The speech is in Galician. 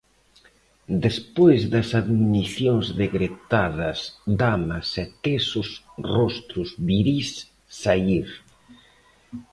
Despois das admonicións de gretadas damas e tesos rostros virís, saír.